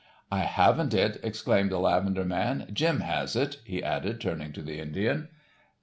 "I haven't it," exclaimed the lavender man, "Jim has it," he added, turning to the Indian.